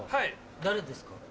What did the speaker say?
誰ですか？